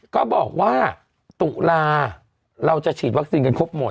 ก็บอกว่าตุลาเราจะฉีดวัคซีนกันครบหมด